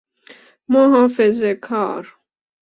محافظه کار